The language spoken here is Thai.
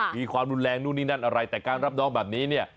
มีความรุนแรงนู่นนี่นั่นอะไรแต่การรับน้องแบบนี้เนี่ย